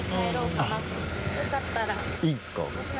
いいんですか？